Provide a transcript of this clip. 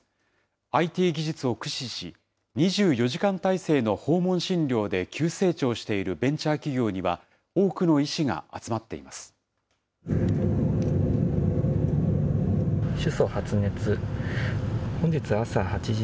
ＩＴ技術を駆使し、２４時間態勢の訪問診療で急成長しているベンチャー企業には、多くの医師が集まっています。